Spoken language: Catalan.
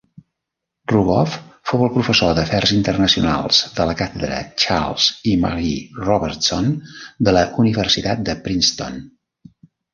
Rogoff fou el professor d'Afers Internacionals de la càtedra Charles i Marie Robertson de la Universitat de Princeton.